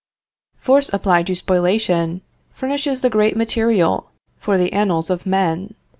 Force applied to spoliation, furnishes the great material for the annals of men.